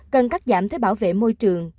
cần cắt giảm thuế bảo vệ môi trường